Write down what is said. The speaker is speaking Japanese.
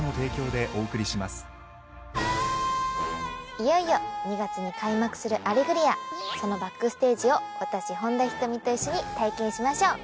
いよいよ２月に開幕する『アレグリア』そのバックステージを私本田仁美と一緒に体験しましょう。